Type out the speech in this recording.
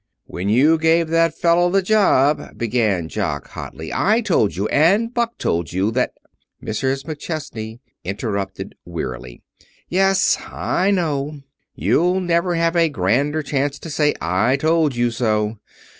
"When you gave that fellow the job," began Jock hotly, "I told you, and Buck told you, that " Mrs. McChesney interrupted wearily. "Yes, I know. You'll never have a grander chance to say 'I told you so.'